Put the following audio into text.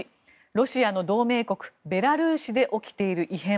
ロシアの同盟国ベラルーシで起きている異変。